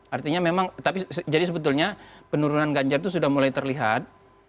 artinya memang tapi jadi sebetulnya penurunan ganjar itu sudah mulai terlihat